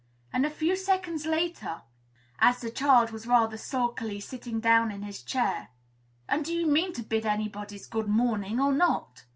and a few seconds later, as the child was rather sulkily sitting down in his chair, "And do you mean to bid anybody 'good morning,' or not?"